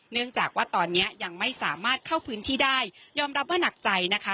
เนื่องจากว่าตอนนี้ยังไม่สามารถเข้าพื้นที่ได้ยอมรับว่าหนักใจนะคะ